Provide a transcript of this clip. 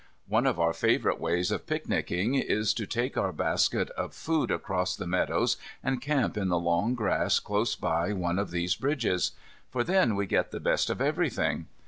One of our favourite ways of picnicking is to take our basket of food across the meadows and camp in the long grass close by one of these bridges. For then we get the best of everything.